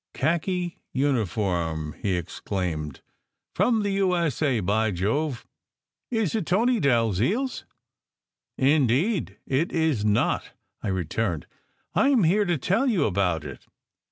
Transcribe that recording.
"Khaki uniform!" he exclaimed. "From the U. S. A. By Jove ! Is it Tony Dalziel s? " "Indeed it is not," I returned. "I m here to tell you about it.